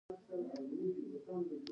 متن په خاص ډول پر دوو برخو وېشل سوی.